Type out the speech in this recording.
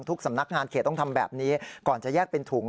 สำนักงานเขตต้องทำแบบนี้ก่อนจะแยกเป็นถุง